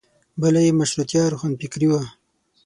بله یې مشروطیه روښانفکري وه.